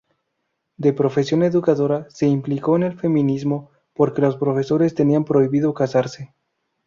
De profesión educadora, se implicó en el feminismo porque los profesores tenían prohibido casarse.